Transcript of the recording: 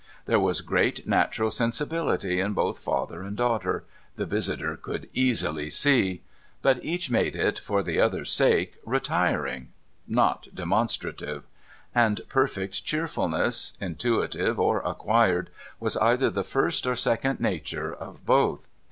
There was great natural sensibility in both father and daughter, the visitor could easily see ; but each made it, for the other's sake, retiring, not demonstrative ; and perfect cheerfulness, intuitive or acquired, was either the first or second nature of both.